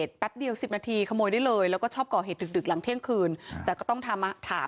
ถือว่าตอนที่พวกหนูขึ้นเวียนอาจจะมา